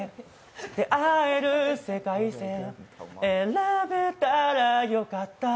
出会える世界線選べたら良かった